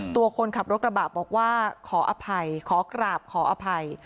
ตัวคนขับรถกระบะบอกว่าขออภัยขอกราบขออภัย